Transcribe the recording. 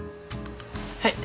はい。